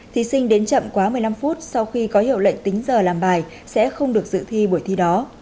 thí sinh đến chậm quá một mươi năm phút sau khi có hiệu lệnh tính giờ làm bài sẽ không được dự thi buổi thi đó